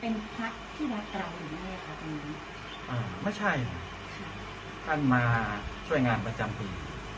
เป็นพระที่รักเราหรือไม่ครับไม่ใช่ท่านมาช่วยงานประจำปี